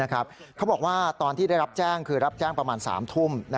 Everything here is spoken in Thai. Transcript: เขาบอกว่าตอนที่ได้รับแจ้งคือรับแจ้งประมาณ๓ทุ่ม